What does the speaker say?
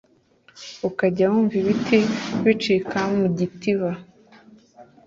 Ukajya wumva ibiti bicika mu Gitiba,